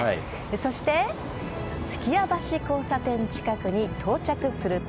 そして数寄屋橋交差点近くに到着すると。